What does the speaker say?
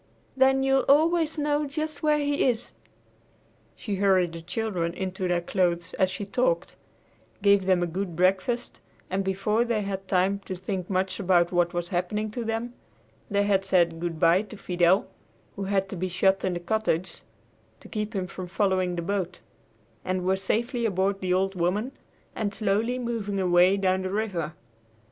Then you'll always know just where he is." She hurried the children into their clothes as she talked, gave them a good breakfast, and before they had time to think much about what was happening to them, they had said good bye to Fidel, who had to be shut in the cottage to keep him from following the boat, and were safely aboard the "Old Woman" and slowly moving away down the river.